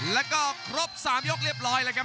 แล้วก็ครบ๓ยกเรียบร้อยแล้วครับ